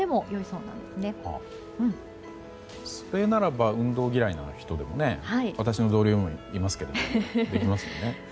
それならば運動嫌いな人でもね私の同僚にもいますけれどもできますよね。